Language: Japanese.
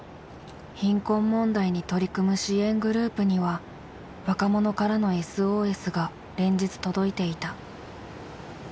貧困問題に取り組む支援グループには若者からのＳＯＳが連日届いていた。